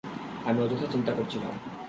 আমি অযথা চিন্তা করছিলাম।